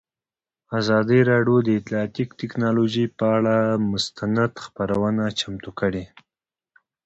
ازادي راډیو د اطلاعاتی تکنالوژي پر اړه مستند خپرونه چمتو کړې.